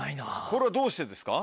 これはどうしてですか？